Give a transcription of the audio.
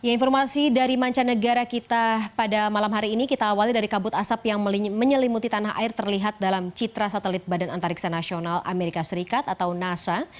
informasi dari mancanegara kita pada malam hari ini kita awali dari kabut asap yang menyelimuti tanah air terlihat dalam citra satelit badan antariksa nasional amerika serikat atau nasa